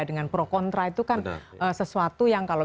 dengan pro kontra itu kan sesuatu